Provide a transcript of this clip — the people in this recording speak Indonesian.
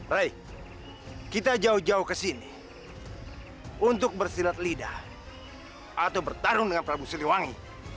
baik kita jauh jauh ke sini untuk bersilat lidah atau bertarung dengan prabu siliwangi